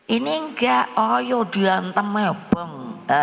ini enggak oh ya diantamu beng